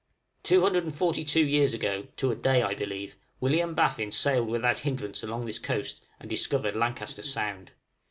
Two hundred and forty two years ago to a day, I believe William Baffin sailed without hindrance along this coast and discovered Lancaster Sound.